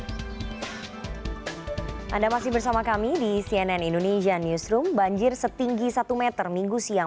hai anda masih bersama kami di cnn indonesia newsroom banjir setinggi satu m minggu siang